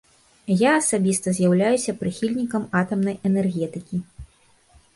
Я асабіста з'яўляюся прыхільнікам атамнай энергетыкі.